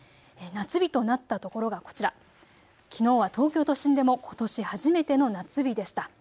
夏日となったところがこちら、きのうは東京都心でもことし初めての夏日でした。